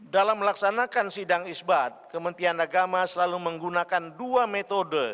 dalam melaksanakan sidang isbat kementerian agama selalu menggunakan dua metode